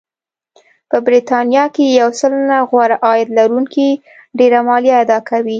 په بریتانیا کې یو سلنه غوره عاید لرونکي ډېره مالیه اداکوي